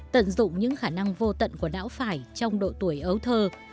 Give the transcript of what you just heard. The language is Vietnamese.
tận dụng những khả năng vô tận của não phải trong độ tuổi ấu thơ